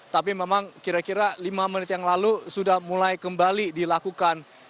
tapi memang kira kira lima menit yang lalu sudah mulai kembali dilakukan